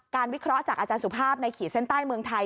วิเคราะห์จากอาจารย์สุภาพในขีดเส้นใต้เมืองไทย